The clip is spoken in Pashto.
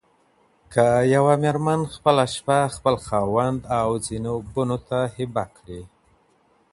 که يوه ميرمن خپله شپه خپل خاوند او ځيني بنو ته هبه کړي.